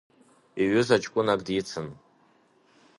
Иҩыза ҷкәынак дицын.